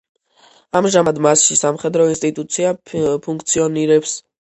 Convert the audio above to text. ამჟამად მასში სამხედრო ინსტიტუცია ფუნქციონირებს.